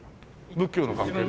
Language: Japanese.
仏教の関係で？